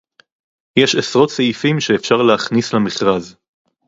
יש עשרות סעיפים שאפשר להכניס למכרז